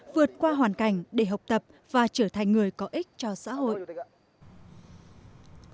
vượt qua hoàn cảnh để học tập và trở thành người có ích cho xã hội